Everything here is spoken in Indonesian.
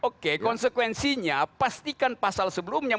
oke konsekuensinya pastikan pasal sebelumnya